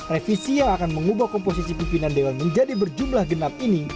revisi yang akan mengubah komposisi pimpinan dewan menjadi berjumlah genap ini